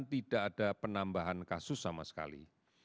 tidak ada penambahan kasus sama sekali